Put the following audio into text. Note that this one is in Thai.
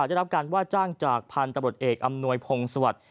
ได้รับการว่าจ้างจากพันธุ์ตำรวจเอกอำนวยพงศวรรค์